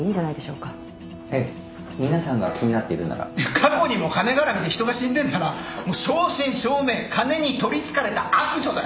過去にも金がらみで人が死んでんならもう正真正銘金にとりつかれた悪女だよ。